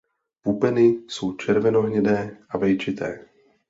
Pupeny jsou červenohnědé a vejčité.